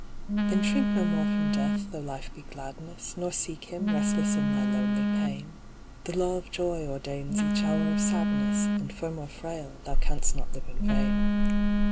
Then shrink no more from Death, though Life be gladness, Nor seek him, restless in thy lonely pain; The law of joy ordains each hour of sadness, And firm or frail, thou canst not live in vain.